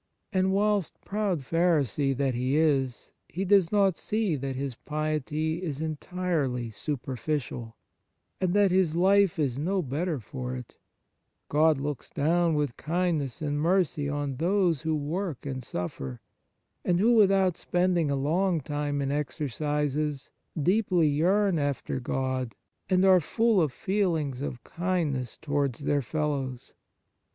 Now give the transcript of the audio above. And whilst, proud Pharisee that he is, he does not see that his piety is entirely superficial, and that his life is no better for it, God looks down with kindness and mercy on those who work and suffer, and who, without 94 The Nature of Piety spending a long time in exercises, deeply yearn after God and are full of feelings of kindness towards their fellows.